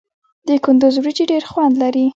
د کندز وریجې ډیر خوند لري.